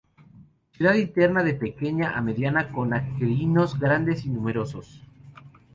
Cavidad interna de pequeña a mediana con aquenios grandes y numerosos.